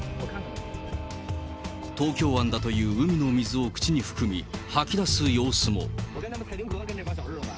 東京湾だという海の水を口に含み、吐き出す様子も。